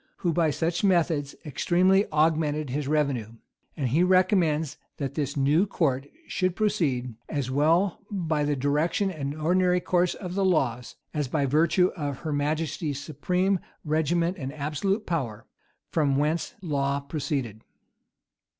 who by such methods extremely augmented his revenue; and he recommends that this new court should proceed, "as well by the direction and ordinary course of the laws, as by virtue of her majesty's supreme regiment and absolute power, from whence law proceeded."